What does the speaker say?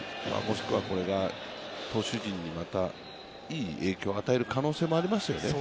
しかくはこれが投手陣にまたいい影響を与える可能性がありますよね。